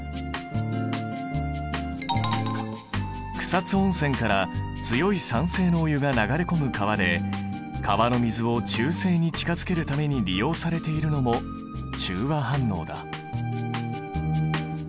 草津温泉から強い酸性のお湯が流れ込む川で川の水を中性に近づけるために利用されているのも中和反応だ。